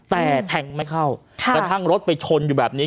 แต่แทงไม่เข้ากระทั่งรถไปชนอยู่แบบนี้